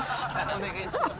お願いします。